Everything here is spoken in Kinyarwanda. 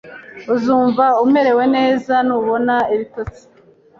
Uzumva umerewe neza nubona ibitotsi.